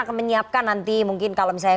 akan menyiapkan nanti mungkin kalau misalnya